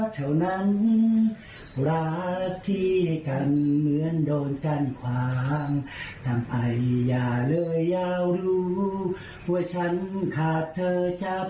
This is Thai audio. จะให้นิ้งคนเดียวนะสู้นะครับ